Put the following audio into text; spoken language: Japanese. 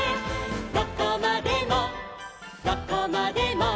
「どこまでもどこまでも」